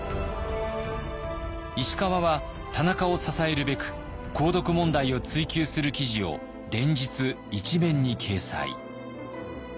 石川は田中を支えるべく鉱毒問題を追及する記事を連日１面に掲載。